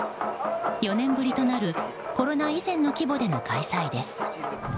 ４年ぶりとなるコロナ以前の規模での開催です。